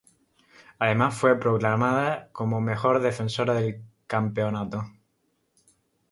Además, fue proclamada como mejor defensora del campeonato.